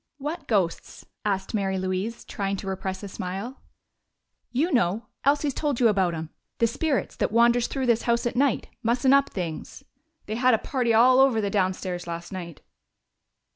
"What ghosts?" asked Mary Louise, trying to repress a smile. "You know. Elsie's told you about 'em. The spirits that wanders through this house at night, mussin' up things. They had a party all over the downstairs last night."